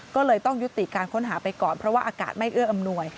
ก็เลยต้องยุติการค้นหาไปก่อนเพราะว่าอากาศไม่เอื้ออำนวย